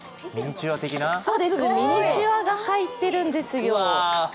ミニチュアが入っているんですよ。